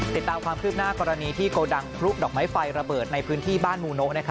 ติดตามความคืบหน้ากรณีที่โกดังพลุดอกไม้ไฟระเบิดในพื้นที่บ้านมูโนะ